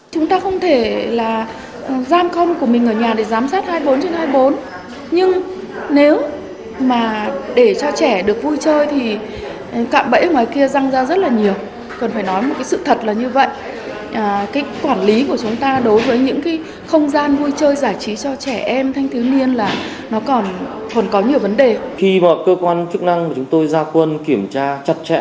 các cơ quan chức năng mà chúng tôi ra quân kiểm tra chặt chẽ